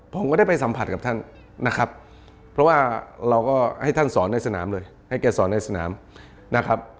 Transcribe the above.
ผมก็ได้ไปสัมผัสกับท่านนะครับเพราะว่าเราก็ให้ท่านสอนในสนามเลยให้แกสอนในสนามนะครับ